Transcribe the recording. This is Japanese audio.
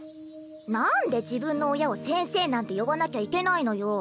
なんで自分の親を「先生」なんて呼ばなきゃいけないのよ。